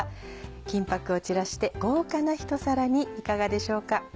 金箔を散らして豪華なひと皿にいかがでしょうか？